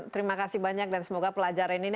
terima kasih banyak dan semoga pelajaran ini